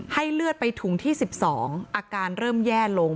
เลือดไปถุงที่๑๒อาการเริ่มแย่ลง